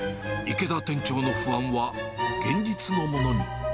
池田店長の不安は現実のもの